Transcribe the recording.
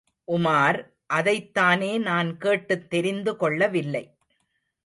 உமார் அதைத்தானே நான் கேட்டுத் தெரிந்து கொள்ளவில்லை.